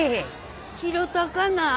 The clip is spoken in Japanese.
拾ったかな？